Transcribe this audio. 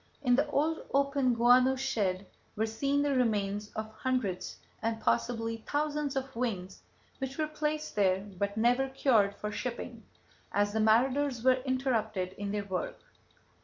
In the old open guano shed were seen the remains of hundreds and possibly thousands of wings which were placed there but never cured for shipping, as the marauders were interrupted in their work.